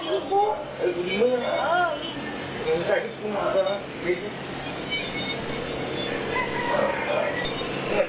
อีกลมนึกอีกลมนึกที่จะเรียก